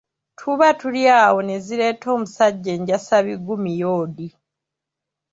Tuba tuli awo ne zireeta omusajja enjasabiggu Miyodi.